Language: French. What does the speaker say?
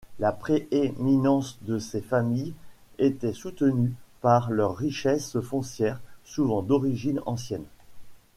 La prééminence de ces familles était soutenu par leurs richesses foncières souvent d'origine ancienne.